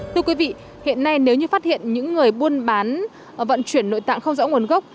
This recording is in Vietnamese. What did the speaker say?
thưa quý vị hiện nay nếu như phát hiện những người buôn bán vận chuyển nội tạng không rõ nguồn gốc